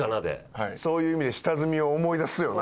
そういう意味で下積みを思い出すよな。